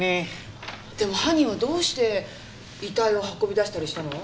でも犯人はどうして遺体を運び出したりしたの？